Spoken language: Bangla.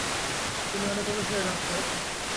তিনি অনেক অনুসারী লাভ করেন।